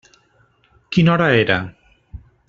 Quina hora era?